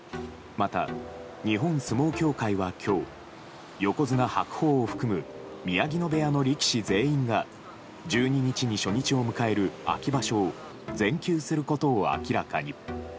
また、日本相撲協会は今日横綱・白鵬を含む宮城野部屋の力士全員が１２日に初日を迎える秋場所を全休することを明らかに。